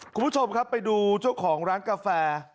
คุณผู้ชมครับไปดูเจ้าของร้านกาแฟ